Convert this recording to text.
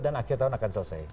dan akhir tahun akan selesai